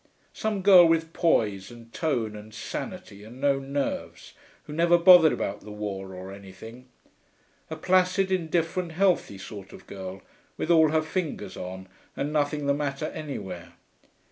some girl with poise, and tone, and sanity, and no nerves, who never bothered about the war or anything. A placid, indifferent, healthy sort of girl, with all her fingers on and nothing the matter anywhere.